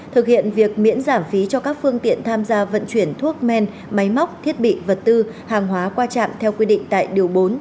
thực hiện việc miễn giảm phí cho các phương tiện tham gia vận chuyển thuốc men máy móc thiết bị vật tư hàng hóa qua trạm theo quy định tại điều bốn